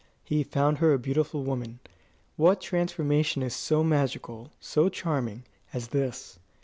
He found her a beautiful woman. What transformation is so magical, so charming, as this?